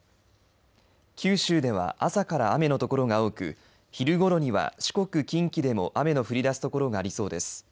九州では朝から雨のところが多く昼ごろには四国、近畿でも雨の降り出すところがありそうです。